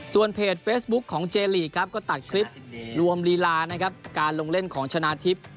เพจเฟซบุ๊คของเจลีกครับก็ตัดคลิปรวมลีลานะครับการลงเล่นของชนะทิพย์